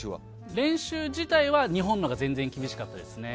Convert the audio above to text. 練習自体は日本のほうが厳しかったですね。